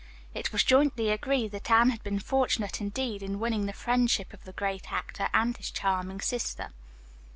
It was jointly agreed that Anne had been fortunate indeed in winning the friendship of the great actor and his charming sister.